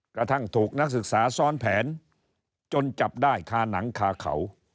กระทั่งถูกนักศึกษาซ้อนแผนจนจับได้คาหนังคาเขา